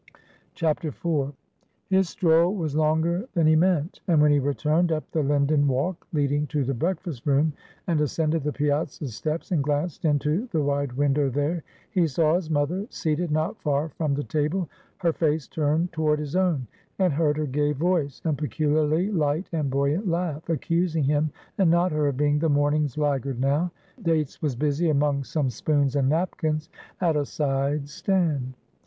IV. His stroll was longer than he meant; and when he returned up the Linden walk leading to the breakfast room, and ascended the piazza steps, and glanced into the wide window there, he saw his mother seated not far from the table; her face turned toward his own; and heard her gay voice, and peculiarly light and buoyant laugh, accusing him, and not her, of being the morning's laggard now. Dates was busy among some spoons and napkins at a side stand.